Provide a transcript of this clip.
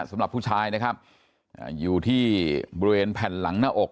สำหรับผู้ชายนะครับอยู่ที่บริเวณแผ่นหลังหน้าอก